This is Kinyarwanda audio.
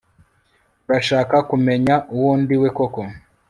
Urashaka kumenya uwo ndiwe koko